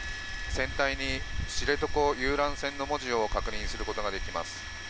船体に知床遊覧船の文字を確認することができます。